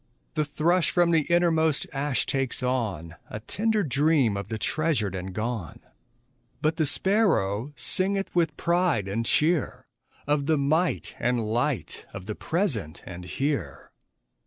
The thrush from the innermost ash takes on A tender dream of the treasured and gone; But the sparrow singeth with pride and cheer Of the might and light of the present and here.